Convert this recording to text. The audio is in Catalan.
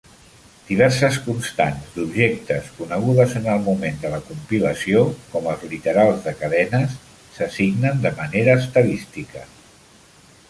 Diverses constants d'objectes conegudes en el moment de la compilació, com els literals de cadenes, s'assignen de manera estadística.